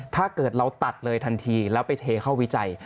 ถ้าเกิดเราตัดเลยทันทีแล้วไปเทเข้าวิจัย